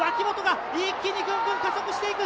一気にぐんぐん加速していく！